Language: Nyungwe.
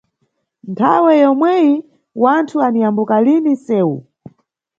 Nthawe yomweyi wanthu aniyambuka lini nʼsewu.